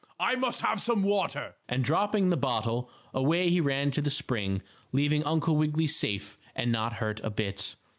I must have some water!" And, dropping the bottle, away he ran to the spring, leaving Uncle Wiggily safe, and not hurt a bit.